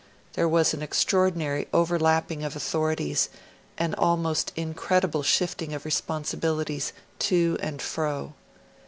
There was an extraordinary overlapping of authorities and an almost incredible shifting of responsibilities to and fro.